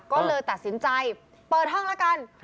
ก็เลยตัดสินใจเปิดห้องละกัน